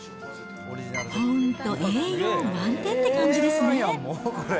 本当栄養満点って感じですね。